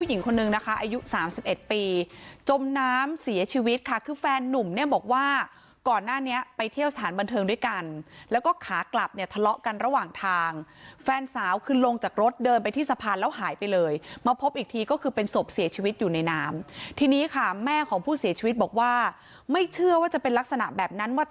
หญิงคนนึงนะคะอายุสามสิบเอ็ดปีจมน้ำเสียชีวิตค่ะคือแฟนนุ่มเนี่ยบอกว่าก่อนหน้านี้ไปเที่ยวสถานบันเทิงด้วยกันแล้วก็ขากลับเนี่ยทะเลาะกันระหว่างทางแฟนสาวคือลงจากรถเดินไปที่สะพานแล้วหายไปเลยมาพบอีกทีก็คือเป็นศพเสียชีวิตอยู่ในน้ำทีนี้ค่ะแม่ของผู้เสียชีวิตบอกว่าไม่เชื่อว่าจะเป็นลักษณะแบบนั้นว